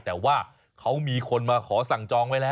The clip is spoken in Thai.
แต่ว่าเขามีคนมาขอสั่งจองไว้แล้ว